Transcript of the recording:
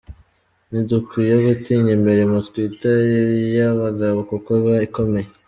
Ntidukwiye gutinya imirimo twita iy’abagabo kuko iba ikomeye